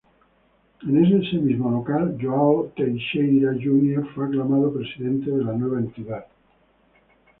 En ese mismo local, João Teixeira Júnior fue aclamado presidente de la nueva entidad.